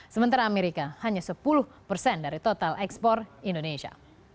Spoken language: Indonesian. sementara amerika hanya sepuluh persen dari total ekspor indonesia